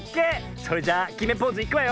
それじゃあきめポーズいくわよ。